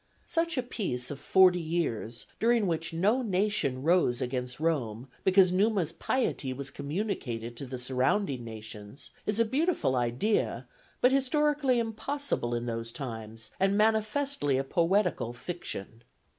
Such a peace of forty years, during which no nation rose against Rome, because Numa's piety was communicated to the surrounding nations, is a beautiful idea, but historically impossible in those times, and manifestly a poetical fiction.